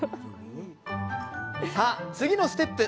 さあ、次のステップ。